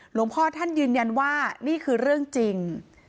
หลวงพ่อท่านยืนยันว่านี่คือเรื่องจริง